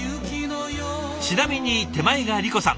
ちなみに手前が莉子さん。